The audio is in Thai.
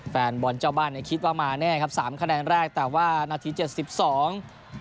แฟนบอลเจ้าบ้านเนี่ยคิดว่ามาแน่ครับสามคะแนนแรกแต่ว่านาทีเจ็ดสิบสอง